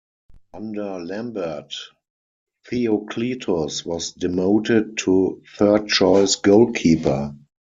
Under Lambert, Theoklitos was demoted to third-choice goalkeeper.